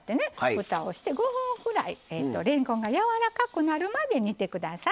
ふたをして５分くらいれんこんがやわらかくなるまで煮て下さい。